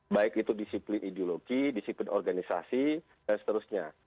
baik itu disiplin ideologi disiplin organisasi dan seterusnya